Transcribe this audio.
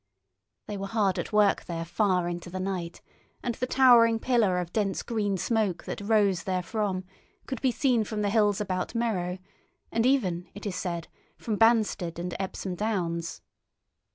They were hard at work there far into the night, and the towering pillar of dense green smoke that rose therefrom could be seen from the hills about Merrow, and even, it is said, from Banstead and Epsom Downs.